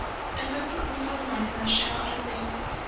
Вы б не пазналі нашыя гарады.